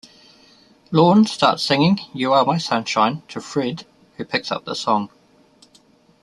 Lorne starts singing "You Are My Sunshine" to Fred, who picks up the song.